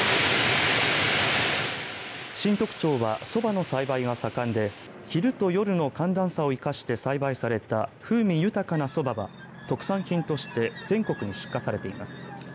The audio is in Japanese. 新得町は、そばの￥栽培が盛んで昼と夜の寒暖差を生かして栽培された風味豊かなそばは特産品として全国に出荷されています。